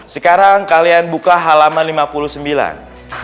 sekarang kalian buka halaman lima puluh sembilan